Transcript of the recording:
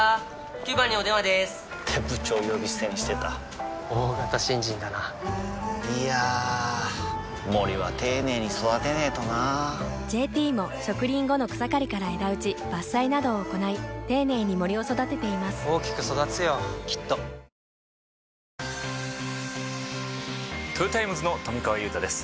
９番にお電話でーす！って部長呼び捨てにしてた大型新人だないやー森は丁寧に育てないとな「ＪＴ」も植林後の草刈りから枝打ち伐採などを行い丁寧に森を育てています大きく育つよきっとトヨタイムズの富川悠太です